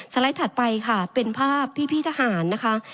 ไลด์ถัดไปค่ะเป็นภาพพี่ทหารนะคะ